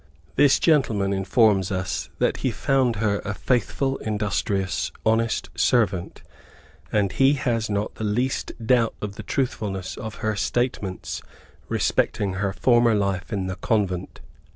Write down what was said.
This gentleman informs us that he found her a faithful, industrious, honest servant, and he has not the least doubt of the truthfulness of her statements respecting her former life in the Convent.